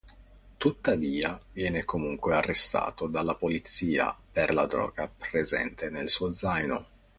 Tuttavia viene comunque arrestato dalla polizia, per la droga presente nel suo zaino.